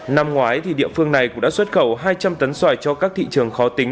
năm ngoái địa phương này cũng đã xuất khẩu hai trăm linh tấn xoài cho các thị trường khó tính